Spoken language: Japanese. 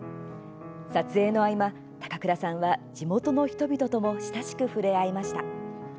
撮影の合間高倉さんは地元の人々とも親しく触れ合いました。